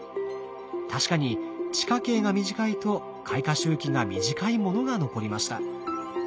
確かに地下茎が短いと開花周期が短いものが残りました。